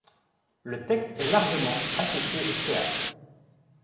Le texte est largement associé au théâtre.